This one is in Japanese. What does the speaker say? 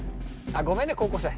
あっごめんね高校生。